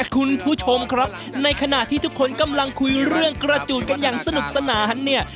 คุณผู้ชมครับในขณะที่ทุกคนกำลังคุยเรื่องกระจูดกันอย่างสนุกสนานเนี่ย